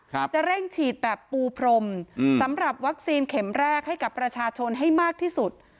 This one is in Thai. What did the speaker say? จะเร่งฉีดแบบปูพรมอืมสำหรับวัคซีนเข็มแรกให้กับประชาชนให้มากที่สุด